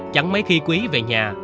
chẳng mấy khi quý về nhà